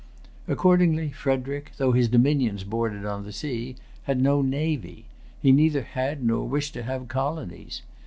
Accordingly Frederic, though his dominions bordered on the sea, had no navy. He neither had nor wished to have colonies.